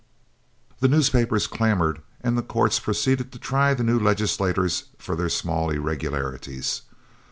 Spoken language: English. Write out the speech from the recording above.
The newspapers clamored, and the courts proceeded to try the new legislators for their small irregularities.